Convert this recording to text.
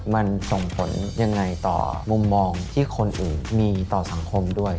มันส่งผลยังไงต่อมุมมองที่คนอื่นมีต่อสังคมด้วย